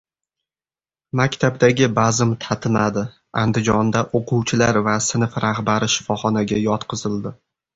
Maktabdagi bazm tatimadi: Andijonda o‘quvchilar va sinf rahbari shifoxonaga yotqizildi